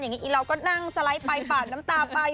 อย่างนี้อีเราก็นั่งสไลด์ไปปาดน้ำตาไป